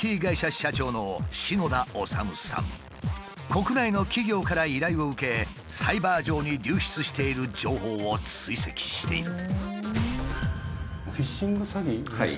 国内の企業から依頼を受けサイバー上に流出している情報を追跡している。